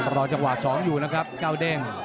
รอจังหวะ๒อยู่นะครับเก้าเด้ง